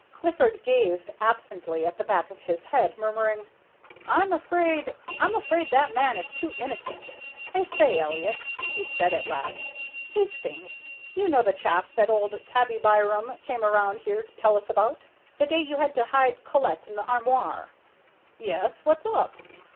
Clifford gazed absently at the back of his head, murmuring, "I'm afraid, I'm afraid that man is too innocent. I say, Elliott," he said, at last, "Hastings, you know the chap that old Tabby Byram came around here to tell us about the day you had to hide Colette in the armoire " "Yes, what's up?"